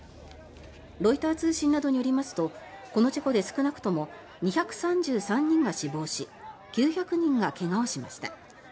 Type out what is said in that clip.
ロイター通信などによりますとこの事故で少なくとも２３３人が死亡し９００人が怪我をしました。